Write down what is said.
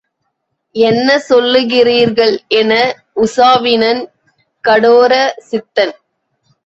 என்ன சொல்லுகிறீர்கள் என உசாவினன் கடோர சித்தன்.